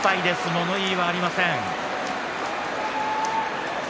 物言いはありません。